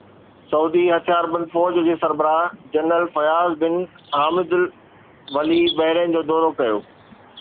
سعودي هٿياربند فوج جي سربراهه جنرل فياض بن حامد الولي بحرين جو دورو ڪيو